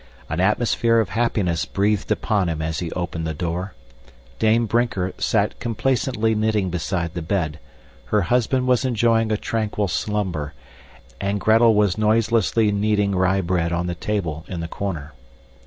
An atmosphere of happiness breathed upon him as he opened the door. Dame Brinker sat complacently knitting beside the bed, her husband was enjoying a tranquil slumber, and Gretel was noiselessly kneading rye bread on the table in the corner.